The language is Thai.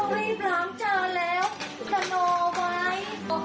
ร้อยล้างจานแล้วก็นอไว้